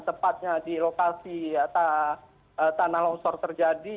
tepatnya di lokasi tanah longsor terjadi